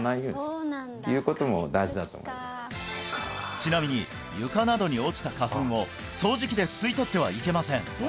ちなみに床などに落ちた花粉を掃除機で吸い取ってはいけません